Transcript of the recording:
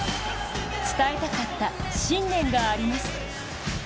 伝えたかった信念があります。